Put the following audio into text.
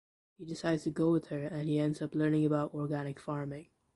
He decides to go with her and he ends up learning about organic farming.